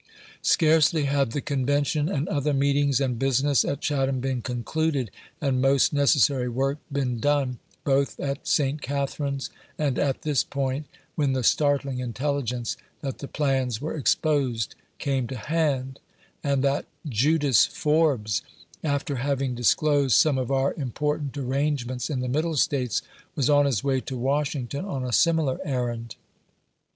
Scarcely had the Convention and other meetings and busi ness at Chatham been concluded, and most necessary work been done, both at St. Catherines and at this point, when the startling intelligence that the plans were exposed came to hand, and that "Judas" Forbes, after having disclosed some of our important arrangements in the Middle States, was on his way to Washington on a similar errand.